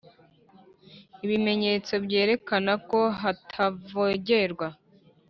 Ibimenyetso byerekana ko hatavogerwa